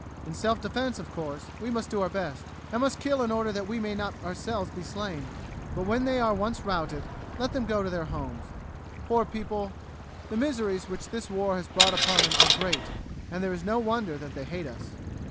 In self defence, of course, we must do our best, and must kill in order that we may not ourselves be slain; but when they are once routed, let them go to their homes. Poor people, the miseries which this war has brought upon them are great, and there is no wonder that they hate us."